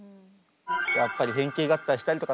やっぱり変形合体したりとかさ